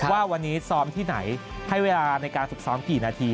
ว่าวันนี้ซ้อมที่ไหนให้เวลาในการฝึกซ้อมกี่นาที